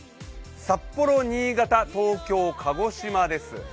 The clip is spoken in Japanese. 札幌、新潟、東京、鹿児島です。